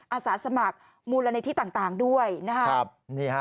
อาสาสมัครมูลนิธิต่างด้วยนะครับ